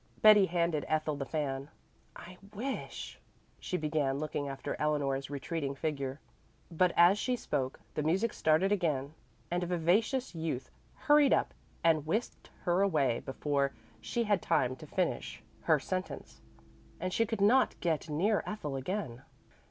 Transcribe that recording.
Betty handed Ethel the fan. "I wish " she began, looking after Eleanor's retreating figure. But as she spoke the music started again and a vivacious youth hurried up and whisked her away before she had time to finish her sentence; and she could not get near Ethel again.